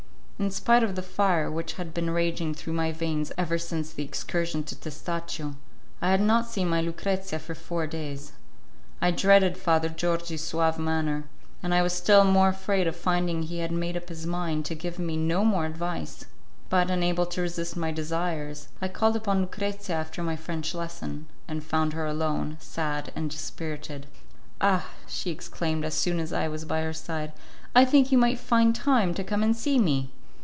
In spite of the fire which had been raging through my veins ever since the excursion to Testaccio, I had not seen my Lucrezia for four days. I dreaded Father Georgi's suave manner, and I was still more afraid of finding he had made up his mind to give me no more advice. But, unable to resist my desires, I called upon Lucrezia after my French lesson, and found her alone, sad and dispirited. "Ah!" she exclaimed, as soon as I was by her side, "I think you might find time to come and see me!"